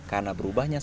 karena berubahnya sisa